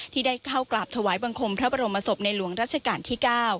ที่ได้เข้ากราบถวายบังคมพระบรมศพในหลวงรัชกาลที่๙